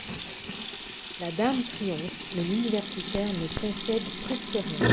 La dame triomphe, mais l'universitaire ne concède presque rien.